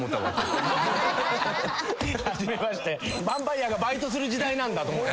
バンパイアがバイトする時代なんだと。